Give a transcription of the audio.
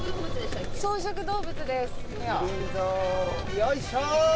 よいしょ！